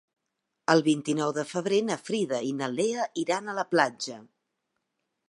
El vint-i-nou de febrer na Frida i na Lea iran a la platja.